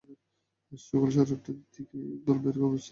সকাল সাড়ে আটটার দিকে ইকবাল মায়ের কর্মস্থল থেকে সাইকেলে করে বাড়ি যাচ্ছিল।